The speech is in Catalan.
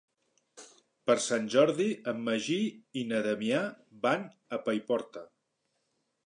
Per Sant Jordi en Magí i na Damià van a Paiporta.